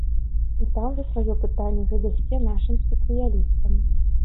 І там вы сваё пытанне задасце нашым спецыялістам.